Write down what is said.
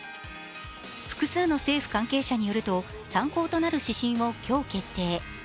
複数の政府関係者によると参考となる指針を今日、決定。